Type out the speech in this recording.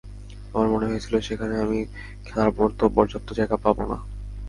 আমার মনে হয়েছিল সেখানে আমি খেলার মতো পর্যাপ্ত জায়গা পাব না।